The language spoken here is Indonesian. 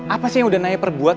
apa sih yang udah naya perbuat